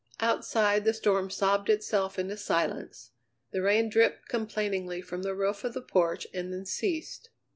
Outside the storm sobbed itself into silence; the rain dripped complainingly from the roof of the porch and then ceased.